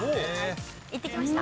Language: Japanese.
いってきました。